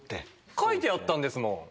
書いてあったんですもん。